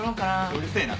うるせえな！